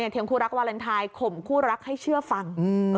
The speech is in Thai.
เพียงคู่รักวาเลนไทยข่มคู่รักให้เชื่อฟัง